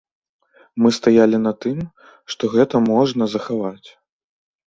Мы стаялі на тым, што гэта можна захаваць.